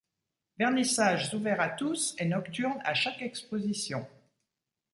Vernissages ouverts à tous et nocturnes à chaque exposition.